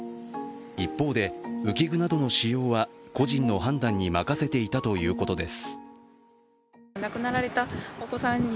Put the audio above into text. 一方で、浮き具などの使用は個人の判断に任せていたということです。